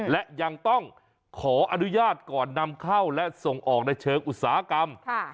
และยังต้องขออนุญาตก่อนนำเข้าและส่งออกในเชิงอุตสาหกรรม